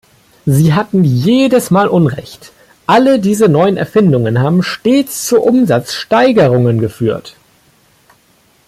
Sie hatten jedes Mal Unrecht – alle diese neuen Erfindungen haben stets zu Umsatzsteigerungen geführt.